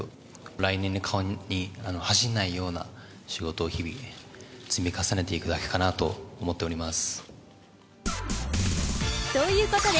来年の顔に恥じないような仕事を日々積み重ねていくだけかなと思ということで、